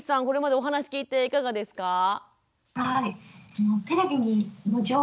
これまでお話聞いていかがですか？